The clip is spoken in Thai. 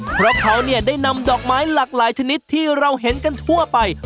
เพราะเขาได้นำดอกไม้หลากหลายชนิดที่เราเห็นกันทั่วไป